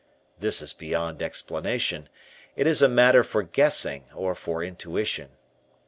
This is beyond explanation; it is a matter for guessing or for intuition.